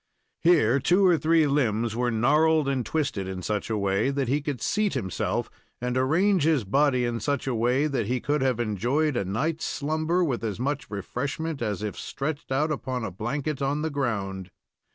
Here two or three limbs were gnarled and twisted in such a way that he could seat himself and arrange his body in such a way that he could have enjoyed a night's slumber with as much refreshment as if stretched out upon a blanket on the ground.